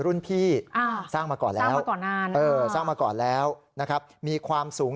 รุ่นพี่สร้างมาก่อนแล้วสร้างมาก่อนแล้วนะครับมีความสูง